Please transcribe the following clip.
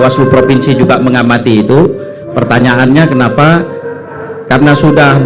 jumlah suara tidak sah